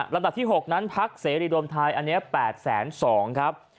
ระดับที่๖นั้นพักเสรีรวมไทยอันนี้๘๒๐๐ครับ